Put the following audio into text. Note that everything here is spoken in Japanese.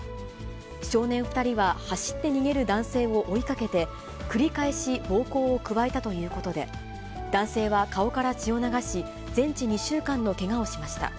少年２人は走って逃げる男性を追いかけて、繰り返し暴行を加えたということで、男性は顔から血を流し、全治２週間のけがをしました。